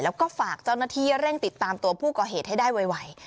แล้วก็ฝากเจ้าหน้าที่เร่งติดตามตัวผู้ก่อเหตุให้ได้ไว